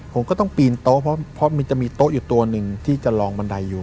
ผมก็ต้องปีนโต๊ะเพราะมันจะมีโต๊ะอยู่ตัวหนึ่งที่จะลองบันไดอยู่